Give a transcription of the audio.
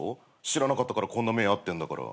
知らなかったからこんな目遭ってんだから。